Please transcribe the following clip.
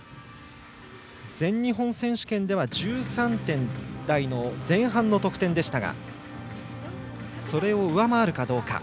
全日本選手権では１３点台前半の得点でしたがそれを上回るかどうか。